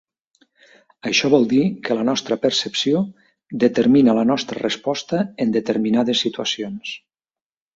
Això vol dir que la nostra percepció determina la nostra resposta en determinades situacions.